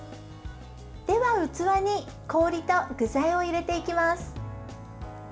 では、器に氷と具材を入れていきます。